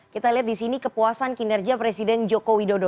kita lihat di sini kepuasan kinerja presiden jokowi dodo